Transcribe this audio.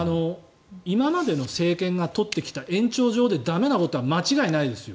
今までの政権が取ってきた延長上で駄目なことは間違いないですよ。